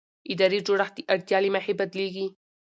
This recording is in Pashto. اداري جوړښت د اړتیا له مخې بدلېږي.